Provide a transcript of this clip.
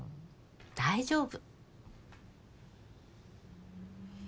大丈夫。